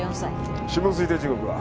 死亡推定時刻は？